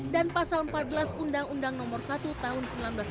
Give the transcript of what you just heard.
dan pasal empat belas undang undang nomor satu tahun seribu sembilan ratus empat puluh enam